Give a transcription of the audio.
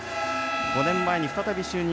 ５年前に再び就任。